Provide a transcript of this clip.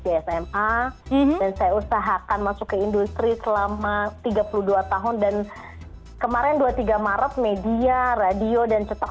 di sma dan saya usahakan masuk ke industri selama tiga puluh dua tahun dan kemarin dua puluh tiga maret media radio dan cetak